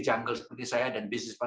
karena mereka tidak tumbuh di hutan